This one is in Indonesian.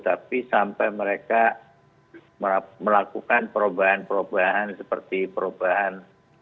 tapi sampai mereka melakukan perubahan perubahan seperti perubahan